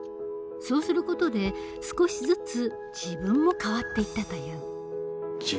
そうする事で少しずつ自分も変わっていったという。